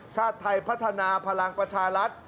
ชาติไทยพัฒนาพลังประชารัฐ